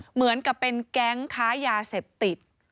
เหมือนกับเป็นแก๊งค้ายาเสพติด